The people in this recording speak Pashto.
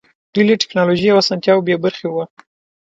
دوی له ټکنالوژۍ او اسانتیاوو بې برخې وو.